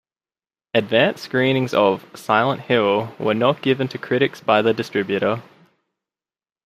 Advance screenings of "Silent Hill" were not given to critics by the distributor.